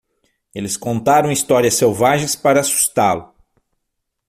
Eles contaram histórias selvagens para assustá-lo.